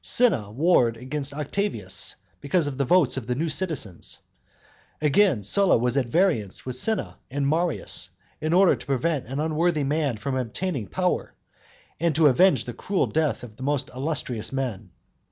Cinna warred against Octavius because of the votes of the new citizens. Again, Sylla was at variance with Cinna and Marius, in order to prevent unworthy men from attaining power, and to avenge the cruel death of most illustrious men.